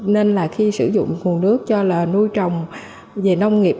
nên là khi sử dụng nguồn nước cho là nuôi trồng về nông nghiệp